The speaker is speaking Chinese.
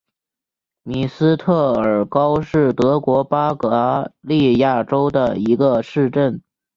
米斯特尔高是德国巴伐利亚州的一个市镇。